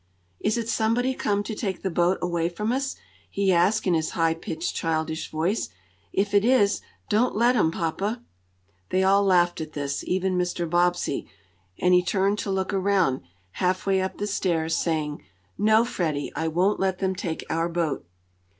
"Is it somebody come to take the boat away from us?" he asked in his high pitched, childish voice. "If it is don't let 'em, papa." They all laughed at this even Mr. Bobbsey, and he turned to look around, half way up the stairs, saying: "No, Freddie, I won't let them take our boat."